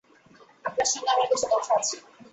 আপনার সঙ্গে আমার কিছু কথা আছে।